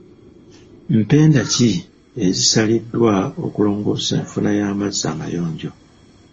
Mpenda ki ezisaliddwa okulongoosa enfuna y'amazzi amayonjo?